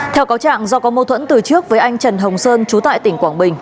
theo cáo trạng do có mâu thuẫn từ trước với anh trần hồng sơn trú tại tỉnh quảng bình